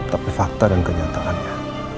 tapi fakta dan kenyataannya